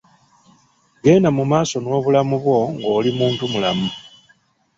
Genda mu maaso nobulamu bwo ng'oli muntu mulamu.